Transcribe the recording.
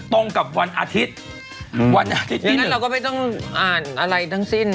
ตรงกับวันอาทิตย์วันอาทิตย์เพราะฉะนั้นเราก็ไม่ต้องอ่านอะไรทั้งสิ้น